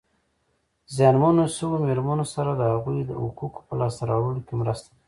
زیانمنو شویو مېرمنو سره د هغوی د حقوقو په لاسته راوړلو کې مرسته ده.